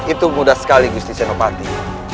itu mudah sekali gusti senopati